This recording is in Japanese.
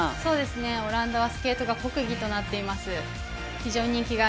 オランダはスケートが国技となっています。